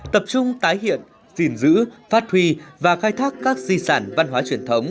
tập trung tái hiện gìn giữ phát huy và khai thác các di sản văn hóa truyền thống